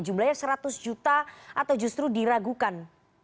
jumlahnya seratus juta atau justru diragukan